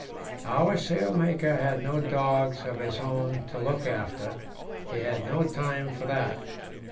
Our sailmaker had no dogs of his own to look after; he had no time for that.